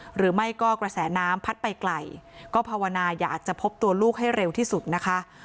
หรือไม่ก็กระแสน้ำพัดไปไกลก็ภาวนาอยากจะพบตัวลูกให้เร็วที่สุดนะคะ